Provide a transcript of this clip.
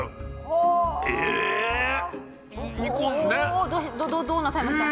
おどうなさいました？